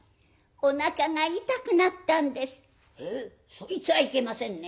そいつはいけませんね。